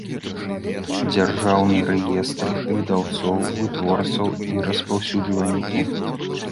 ДЗЯРЖАЎНЫ РЭЕСТР ВЫДАЎЦОЎ, ВЫТВОРЦАЎ I РАСПАЎСЮДЖВАЛЬНIКАЎ